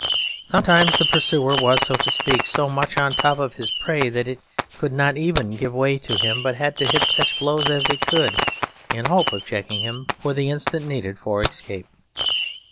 Sometimes the pursuer was, so to speak, so much on top of his prey that it could not even give way to him; but had to hit such blows as it could in the hope of checking him for the instant needed for escape.